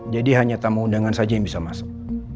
jadi hanya tamu undangan saja yang bisa masuk